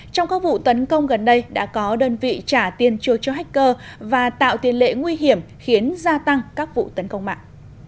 trong các vụ tấn công gần đây đã có đơn vị trả tiền chưa cho hacker và tạo tiền lệ nguy hiểm khiến gia tăng các vụ tấn công mạng